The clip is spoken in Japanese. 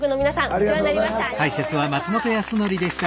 お世話になりました。